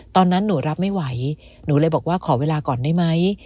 ตอนนั้นหนูรับไม่ไหวหนูเลยบอกว่าขอเวลาก่อนได้ไหม